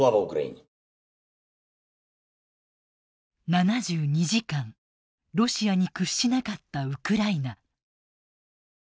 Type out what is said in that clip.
７２時間ロシアに屈しなかったウクライナ。